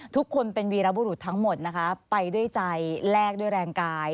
ทุกคนเป็นวีรบุรุษทั้งหมดนะคะไปด้วยใจแลกด้วยแรงกาย